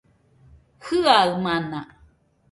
Jiaɨamana